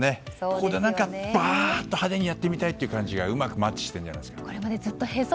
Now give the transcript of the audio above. ここで何かバーンと派手にやってみたいという感じがうまくマッチしてるんじゃないですか。